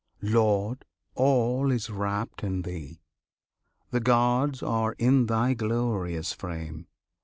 Lord! all is wrapped in Thee! The gods are in Thy glorious frame!